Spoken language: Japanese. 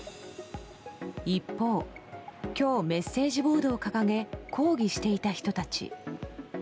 一方、今日メッセージボードを掲げ抗議していた人たち。